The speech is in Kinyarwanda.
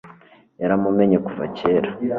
yaramumenye kuva kera